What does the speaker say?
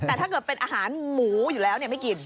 แต่ถ้าเกิดเป็นอาหารหมูอยู่แล้วไม่กิน